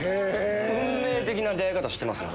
運命的な出会い方してる。